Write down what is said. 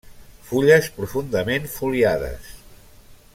Fulles profundament foliades.